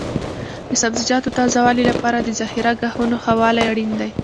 د سبزیجاتو تازه والي لپاره د ذخیره ګاهونو ښه والی اړین دی.